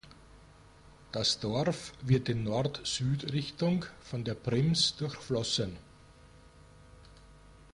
Das Dorf wird in Nord-Süd-Richtung von der Prims durchflossen.